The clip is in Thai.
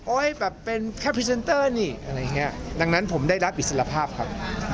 โอ๊ยแบบเป็นแค่ปริซเทนเตอร์นี่ดังนั้นผมได้ได้รับอิสระภาพครับ